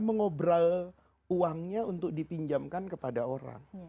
mengobrol uangnya untuk dipinjamkan kepada orang